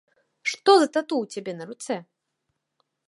Што за тату ў цябе на руцэ?